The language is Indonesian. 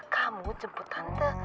kamu jemput tante